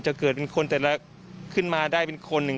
จะเกิดเป็นคนแต่ละขึ้นมาได้เป็นคนหนึ่ง